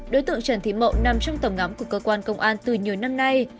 đối tượng trần thị mậu nằm trong tầm ngắm của cơ quan công an từ nhiều năm nay